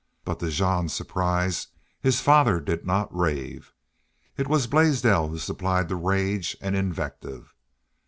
But, to Jean's surprise, his father did not rave. It was Blaisdell who supplied the rage and invective.